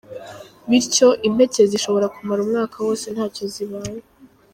Bityo impeke zishobora kumara umwaka wose ntacyo zibaye.